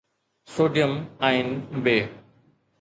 sodium ion ب